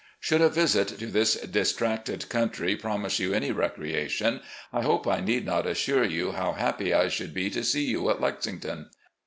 Should a visit to this distracted cotm try promise you any recreation, I hope I need not assure you how happy I should be to see you at Lexington.